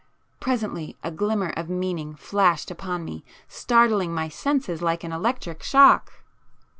Presently a glimmer of meaning flashed upon me, startling my senses like an electric shock